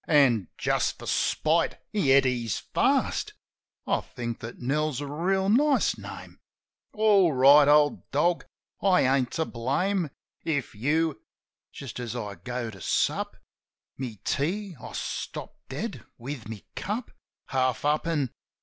(An', just for spite, he et his fast) ... I think that Nell's a reel nice name .. "All right, old dog, I ain't to blame If you" ... Just as I go to sup My tea I stop dead, with my cup Half up, an' .